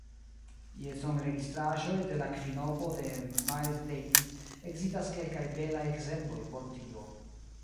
Je sonregistraĵoj de la kvinopo de Miles Davis ekzistas kelkaj belaj ekzemploj por tio.